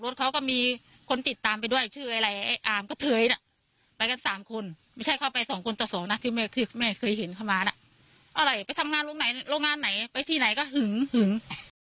ที่แม่เคยเห็นเข้ามานะไปทำงานโรงงานไหนไปที่ไหนก็หึงหึง